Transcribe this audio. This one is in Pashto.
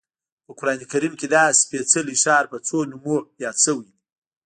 په قران کریم کې دا سپېڅلی ښار په څو نومونو یاد شوی دی.